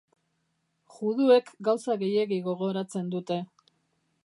Juduek gauza gehiegi gogoratzen dute.